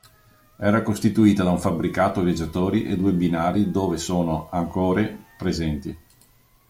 Era costituita da un fabbricato viaggiatori e due binari dove sono ancore presenti.